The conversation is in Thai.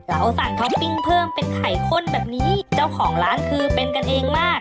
เราสั่งท็อปปิ้งเพิ่มเป็นไข่ข้นแบบนี้เจ้าของร้านคือเป็นกันเองมาก